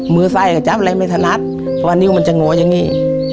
มือไส้ก็จะไม่ถนัดเพราะว่านิ้วมันจะโง่อย่างนี้